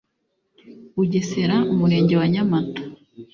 bugesera umurenge wa nyamata